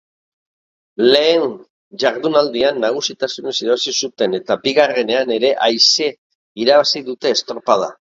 Lehen jardunaldian nagusitasunez irabazi zuten eta bigarrenenean ere aise irabazi dute estropada.